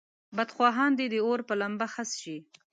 بدخواهان دې د اور په لمبه خس شي.